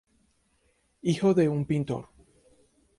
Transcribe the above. Hijo de un pintor.